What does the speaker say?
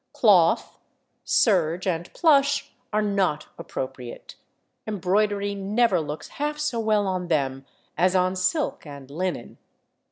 Cloth, serge, and plush are not appropriate; embroidery never looks half so well on them as on silk and linen.